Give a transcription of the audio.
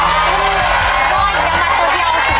ไปลูกเร็วไปใส่เออ